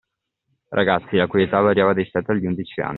Ragazzi, la cui età variava dai sette agli undici anni.